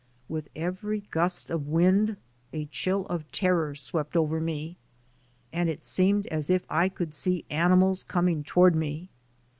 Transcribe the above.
With every gust of wind a chill of terror swept over me and it seemed as if I could see animals coming toward me.